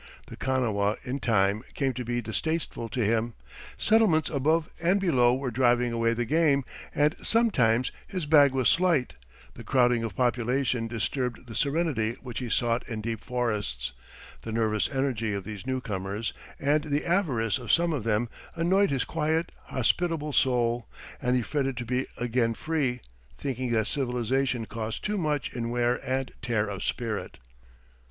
The Kanawha in time came to be distasteful to him. Settlements above and below were driving away the game, and sometimes his bag was slight; the crowding of population disturbed the serenity which he sought in deep forests; the nervous energy of these newcomers, and the avarice of some of them, annoyed his quiet, hospitable soul; and he fretted to be again free, thinking that civilization cost too much in wear and tear of spirit.